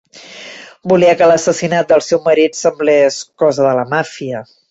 Volia que l'assassinat del seu marit semblés cosa de la màfia.